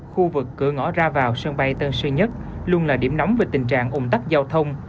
khu vực cửa ngõ ra vào sân bay tân sơn nhất luôn là điểm nóng về tình trạng ủng tắc giao thông